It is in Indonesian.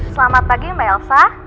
selamat pagi mbak elsa